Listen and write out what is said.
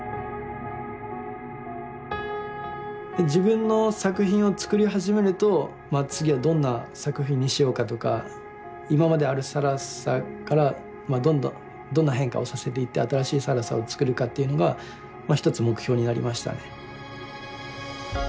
自分の作品を作り始めるとまあ次はどんな作品にしようかとか今まである更紗からまあどんな変化をさせていって新しい更紗を作るかというのがまあ一つ目標になりましたね。